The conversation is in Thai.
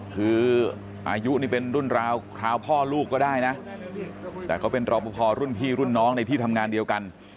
คืออายุนี่เป็นรุ่นราวคราวพ่อลูกก็ได้นะแต่ก็เป็นรอปภรุ่นพี่รุ่นน้องในที่ทำงานเดียวกัน